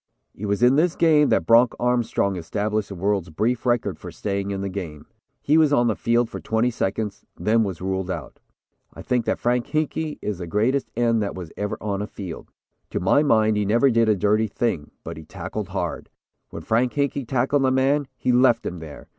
"It was in this game that Bronc Armstrong established the world's brief record for staying in the game. He was on the field for twenty seconds then was ruled out. I think Frank Hinkey is the greatest end that was ever on a field. To my mind he never did a dirty thing, but he tackled hard. When Frank Hinkey tackled a man, he left him there.